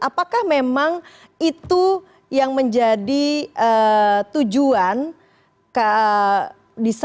apakah memang itu yang menjadi tujuan di saat verdi sambo menyampaikan bahwa